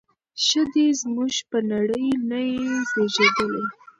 ښه دی زموږ پر نړۍ نه یې زیږیدلی